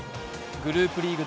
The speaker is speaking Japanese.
グループリーグ